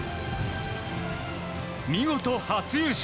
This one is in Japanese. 見事初優勝。